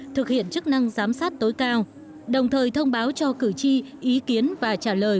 thực hiện chức năng giám sát tối cao đồng thời thông báo cho cử tri ý kiến và trả lời